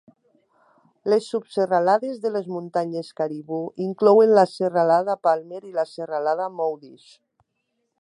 Les subserralades de les muntanyes Cariboo inclouen la serralada Palmer i la serralada Mowdish.